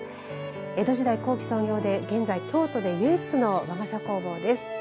江戸時代後期創業で現在、京都で唯一の和傘工房です。